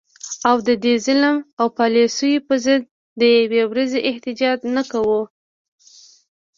او د دې ظلم او پالیسو په ضد د یوې ورځي احتجاج نه کوو